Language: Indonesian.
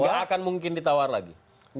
nggak akan mungkin ditawar lagi